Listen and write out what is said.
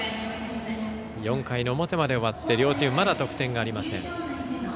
４回表まで終わって両チームまだ得点ありません。